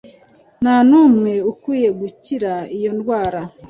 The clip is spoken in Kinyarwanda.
Ntanumwe ukwiye gukira iyo ndwara